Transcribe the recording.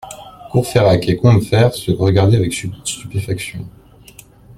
Courfeyrac et Combeferre se regardaient avec stupéfaction.